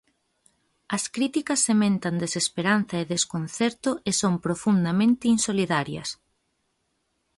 As criticas sementan desesperanza e desconcerto e son profundamente insolidarias.